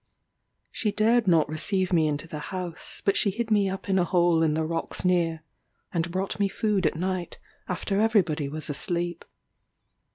She dared not receive me into the house, but she hid me up in a hole in the rocks near, and brought me food at night, after every body was asleep.